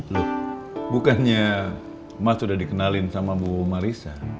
loh bukannya mas sudah dikenalin sama buma lisa